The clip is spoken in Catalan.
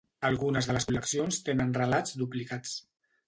Algunes de les col·leccions tenen relats duplicats.